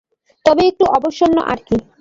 তবে একটু অবসন্ন আরকি।